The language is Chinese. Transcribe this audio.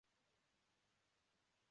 氟化汞溶于氢氟酸和稀硝酸。